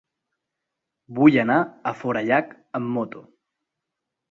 Vull anar a Forallac amb moto.